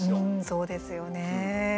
そうですよね。